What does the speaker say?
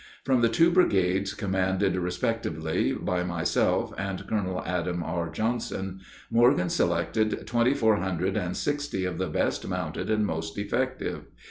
From the two brigades commanded respectively by myself and Colonel Adam R. Johnson, Morgan selected twenty four hundred and sixty of the best mounted and most effective.